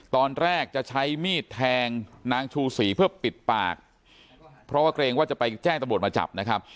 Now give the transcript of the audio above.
ตอนแรกจะใช้มีดแทงนางชูศรีเพื่อปิดปากเพราะว่าเกรงว่าจะไปแจ้งตำรวจมาจับนะครับ